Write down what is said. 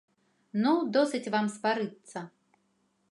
Ну, досыць вам сварыцца!